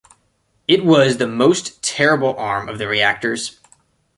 It was the most terrible arm of the reactors.